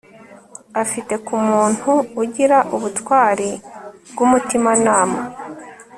afite ku muntu ugira ubutwari bwumutimanama